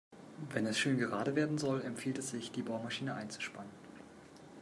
Wenn es schön gerade werden soll, empfiehlt es sich, die Bohrmaschine einzuspannen.